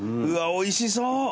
うわおいしそう！